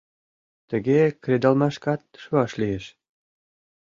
Тыге кредалмашкат шуаш лиеш.